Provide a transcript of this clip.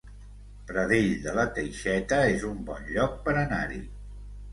Pradell de la Teixeta es un bon lloc per anar-hi